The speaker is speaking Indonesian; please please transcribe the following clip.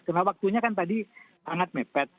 karena waktunya kan tadi sangat mepet